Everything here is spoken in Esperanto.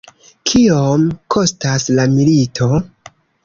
Kiom kostas la milito?